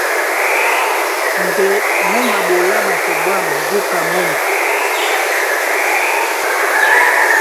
Ndé mú maɓolá ɓato ɓwǎm̀ búka mǒm.